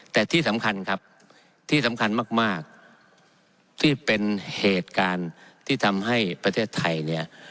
แต่ที่สำคัญครับที่สำคัญมากที่เป็นเหตุการณ์ที่ทำให้ประเทศไทยเนี่ย